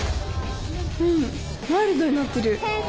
うんマイルドになってる先生